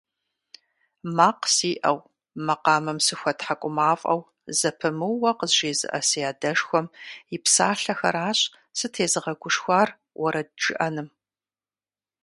Макъ сиӀэу, макъамэм сыхуэтхьэкӀумафӀэу зэпымыууэ къызжезыӀэ си адэшхуэм и псалъэхэращ сытезыгъэгушхуар уэрэд жыӀэным.